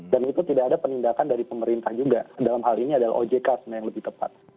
dan itu tidak ada penindakan dari pemerintah juga dalam hal ini adalah ojk sebenarnya yang lebih tepat